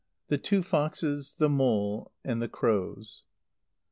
_The two Foxes, the Mole, and the Crows.